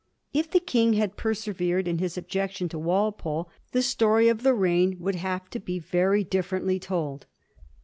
If the King had persevered in his objection to Walpole, the story of the reign would have to be very differently told.